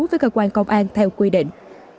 với cơ quan công an theo quy định